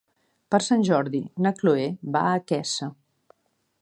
Per Sant Jordi na Chloé va a Quesa.